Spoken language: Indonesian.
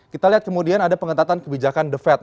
kita lihat kemudian ada pengetatan kebijakan the fed